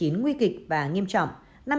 nguy kịch và nghiêm trọng